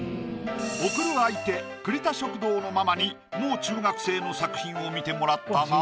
贈る相手「久利多食堂」のママにもう中学生の作品を見てもらったが。